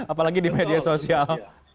apalagi di media sosial